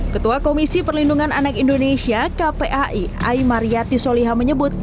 ketua komisi perlindungan anak indonesia kpai aymari yatisoliha menyebut